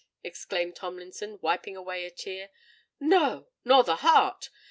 exclaimed Tomlinson, wiping away a tear: "no—nor the heart!